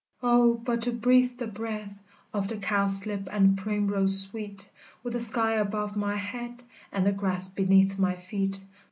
"O, but to breathe the breath Of the cowslip and primrose sweet, With the sky above my head, And the grass beneath my feet!